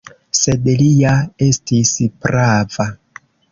Sed li ja estis prava.